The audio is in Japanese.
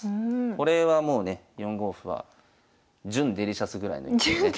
これはもうね４五歩は準デリシャスぐらいの一手でね。